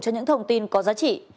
cho những thông tin có giá trị